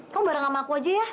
kamu bareng sama aku aja ya